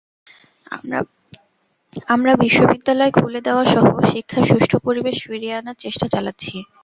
আমরা বিশ্ববিদ্যালয় খুলে দেওয়াসহ শিক্ষার সুষ্ঠু পরিবেশ ফিরিয়ে আনার চেষ্টা চালাচ্ছি।